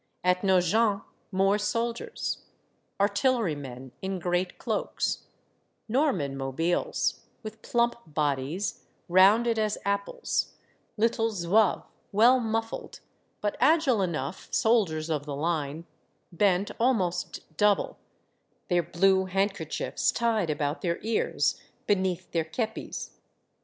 At Nogent, more soldiers, — artillery men in great cloaks, Norman mobiles, with plump bodies, rounded as apples, Httle Zouaves, well muffled, but agile enough, soldiers of the line, bent almost double, their blue handkerchiefs tied about their ears, beneath their k6pis.